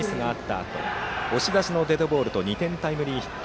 あと押し出しのデッドボールと２点タイムリーヒット